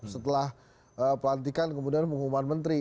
setelah pelantikan kemudian pengumuman menteri